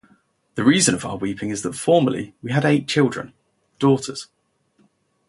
The reason of our weeping is that formerly we had eight children, daughters.